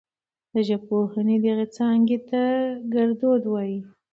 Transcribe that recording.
د ژبپوهنې دغې څانګې ته ګړدود وايي.